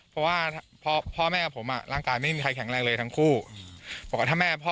เพราะว่าพ่อพ่อแม่ผมอ่ะร่างกายไม่มีใครแข็งแรงเลยทั้งคู่บอกว่าถ้าแม่พ่อ